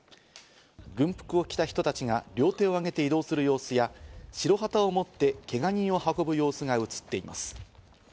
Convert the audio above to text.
軍服を着た人たちが両手を上げて移動する様子や白旗を持ってけが人を運ぶ様子が映っています。